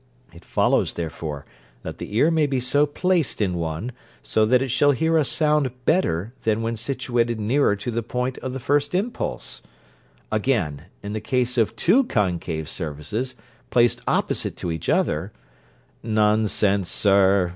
It follows, therefore, that the ear may be so placed in one, as that it shall hear a sound better than when situated nearer to the point of the first impulse: again, in the case of two concave surfaces placed opposite to each other ' 'Nonsense, sir.